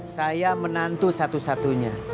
saya menantu satu satunya